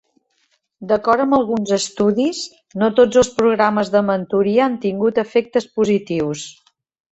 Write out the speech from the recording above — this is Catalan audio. D'acord amb alguns estudis, no tots els programes de mentoria han tingut efectes positius.